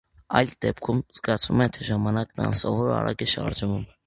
Այլ դեպքերում, զգացվում է, թե ժամանակն անսովոր արագ է շարժվում։